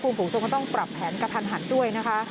กรุงภูมิสูงต้องปรับแผนกระทันหันด้วยนะครับ